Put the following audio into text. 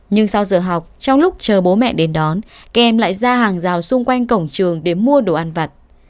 nhưng sau giờ học trong lúc chờ bố mẹ đến đón các em lại ra hàng rào xung quanh cổng trường để mua đồ ăn vặt